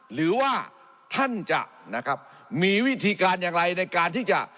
หรือว่าท่านจะนะครับมีวิธีการอย่างไรในการที่จะ